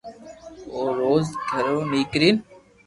او روز گھرو نيڪرين